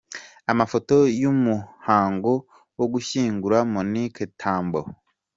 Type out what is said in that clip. Amafoto y'umuhango wo gushyingura Monique Tambo.